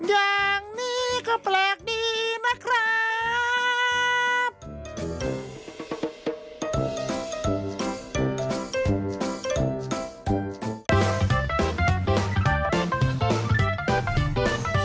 อย่างนี้ก็แปลกดีนะครับ